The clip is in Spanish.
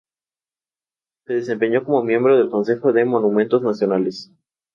Se desempeñó como miembro del Consejo de Monumentos Nacionales.